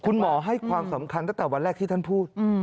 คุณหมอให้ความสำคัญตั้งแต่วันแรกที่ท่านพูด